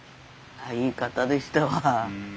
いい方でしたわ。